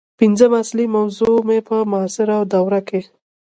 پنځمه اصلي موضوع مې په معاصره دوره کې